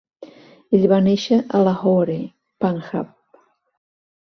Ell va néixer a Lahore, Panjab.